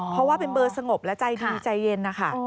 เพราะว่าเป็นเบอร์สงบและใจดีใจเย็นนะคะ